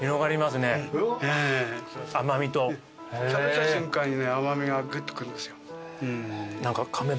食べた瞬間にね甘味がぐっと来るんですよ。